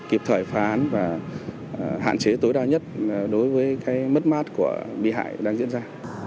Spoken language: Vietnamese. kịp thời phá án và hạn chế tối đa nhất đối với cái mất mát của bị hại đang diễn ra